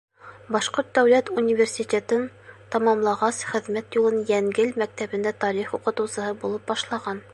Башҡорт дәүләт университетын тамамлағас, хеҙмәт юлын Йәнгел мәктәбендә тарих уҡытыусыһы булып башлаған.